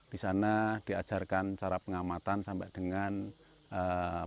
di sana diajarkan cara pengamatan sampai dengan